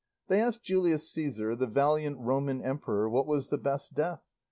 They asked Julius Caesar, the valiant Roman emperor, what was the best death.